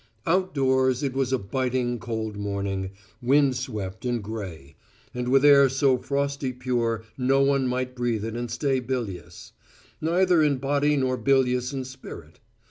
Outdoors, it was a biting cold morning, wind swept and gray; and with air so frosty pure no one might breathe it and stay bilious: neither in body nor bilious in spirit.